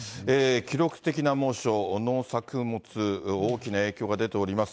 記録的な猛暑、農作物、大きな影響が出ております。